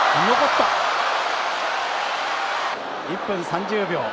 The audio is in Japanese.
１分３０秒。